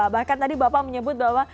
bahkan tadi bapak menyebut bahwa